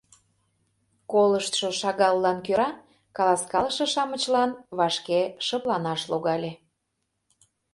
Колыштшо шагаллан кӧра каласкалыше-шамычлан вашке шыпланаш логале.